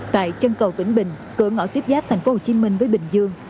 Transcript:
tại chân cầu vĩnh bình cửa ngõ tiếp giáp tp hcm với bình dương